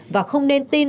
và không nên tin